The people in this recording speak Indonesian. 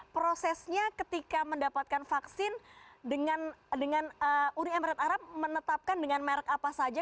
prosesnya ketika mendapatkan vaksin dengan uni emirat arab menetapkan dengan merek apa saja